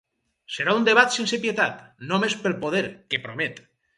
Serà un debat sense pietat, només pel poder, que promet.